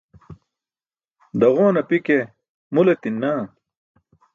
Daġowan api ke mul etin naa.